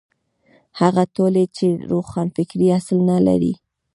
هغه ټولنې چې روښانفکرۍ اصل نه لري.